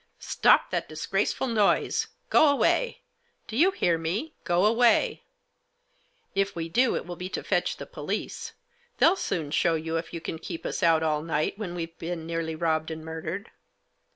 " Stop that disgraceful noise ! Go away ! Do you hear me, go away I "" If we do it will be to fetch the police. They'll soon show you if you can keep us out all night when we've been nearly robbed and murdered."